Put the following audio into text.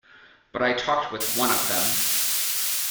But I talked with one of them.